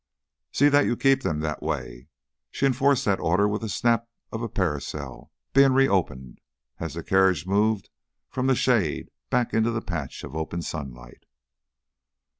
"See that you keep them that way!" She enforced that order with a snap of parasol being reopened as the carriage moved from the shade back into the patch of open sunlight.